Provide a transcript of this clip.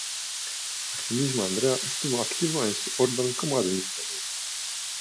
Asimismo Andrea estuvo activo en su orden como administrador.